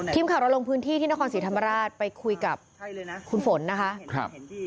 ทีมข่าวเราลงพื้นที่ที่นครศรีธรรมราชไปคุยกับคุณฝนนะคะครับ